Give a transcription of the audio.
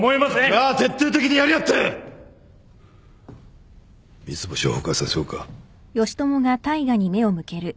じゃあ徹底的にやり合って三ツ星を崩壊させようか。